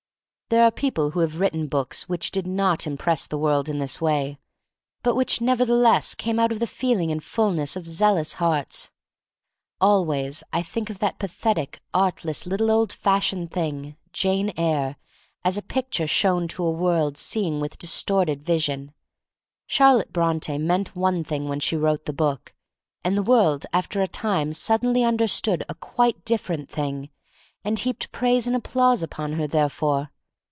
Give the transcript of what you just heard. There are people who have written books which did not impress the world in this way, but which nevertheless came out of the feeling and fullness of zealous hearts. Always I think of that pathetic, artless little old fashioned thing, ''Jane Eyre," as a picture shown to a world seeing with distorted vision. Charlotte Bronte meant one thing when she wrote the book, and the world after a time suddenly understood a quite different thing, and heaped praise and applause upon her therefor.